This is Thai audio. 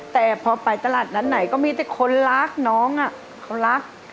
แต่พอไปตลาดนั้นไหนก็มีแต่คนรักน้องเขารัก